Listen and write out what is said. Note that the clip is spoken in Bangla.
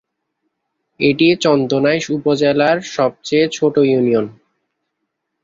এটি চন্দনাইশ উপজেলার সবচেয়ে ছোট ইউনিয়ন।